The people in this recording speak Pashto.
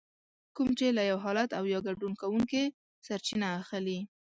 کوم چې له يو حالت او يا ګډون کوونکي سرچينه اخلي.